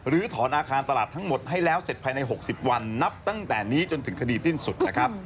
ถอนอาคารตลาดทั้งหมดให้แล้วเสร็จภายใน๖๐วันนับตั้งแต่นี้จนถึงคดีสิ้นสุดนะครับ